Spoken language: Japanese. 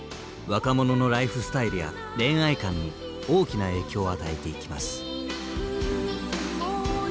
若者のライフスタイルや恋愛観に大きな影響を与えていきます。